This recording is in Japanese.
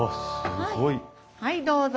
はいどうぞ。